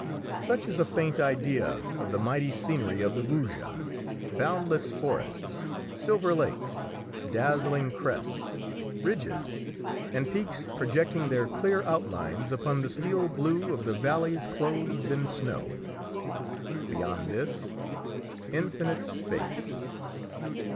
Such is a faint idea of the mighty scenery of the Vosges, boundless forests, silver lakes, dazzling crests, ridges, and peaks projecting their clear outlines upon the steel blue of the valleys clothed in snow. Beyond this, infinite space!